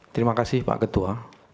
terima kasih pak ketua